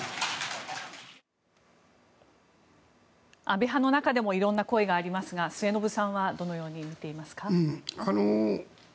安倍派の中でも色んな声がありますが末延さんはどのように見ていますか。